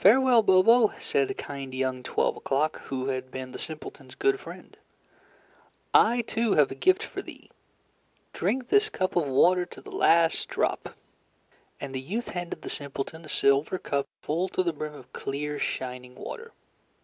"Farewell, Bobo," said kind young Twelve O'Clock, who had been the simpleton's good friend. "I, too, have a gift for thee. Drink this cup of water to the last drop." And the youth handed the simpleton a silver cup full to the brim of clear shining water.